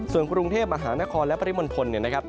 ส่วนกรุงเทพมหานครและปริมณฑลเนี่ยนะครับ